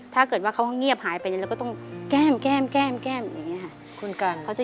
ถ้าเกิดว่าเขาเงียบหายไปแล้วก็ต้องแก้มแก้มแก้มแก้มอย่างนี้ค่ะ